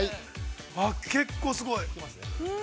◆結構すごい。